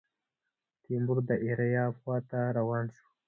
تیمور د ایریاب خواته روان شو.